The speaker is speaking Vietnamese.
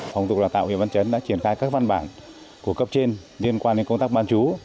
phòng giáo dục đoàn tạo huyện văn trấn đã triển khai các văn bản của cấp trên liên quan đến công tác bán chú